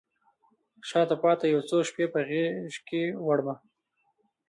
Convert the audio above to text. شاته پاته یو څو شپې په غیږکې وړمه